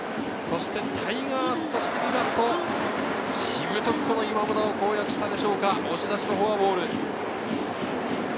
タイガースとして見るとしぶとく今村を攻略したでしょうか、押し出しのフォアボール。